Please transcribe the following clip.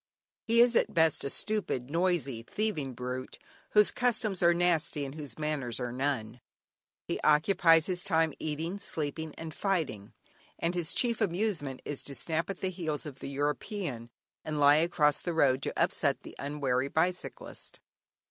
He is at best a stupid, noisy, thieving brute, whose "customs are nasty and whose manners are none;" he occupies his time eating, sleeping, and fighting, and his chief amusement is to snap at the heels of the European, and lie across the road to upset the unwary bicyclist.